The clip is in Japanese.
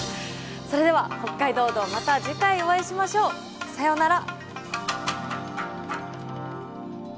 それでは「北海道道」また次回お会いしましょう。さようなら。